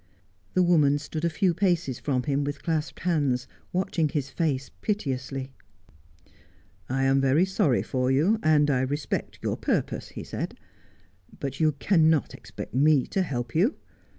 The woman stood a few paces from him, with clasped hands, watching his face piteously !' I am very sorry for you, and I respect your purpose,' he said, ' but you cannot expect me to help you.